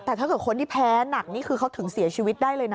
แต่ถ้าเกิดคนที่แพ้หนักนี่คือเขาถึงเสียชีวิตได้เลยนะ